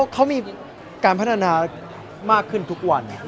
เขามีการพัฒนามากขึ้นทุกวัน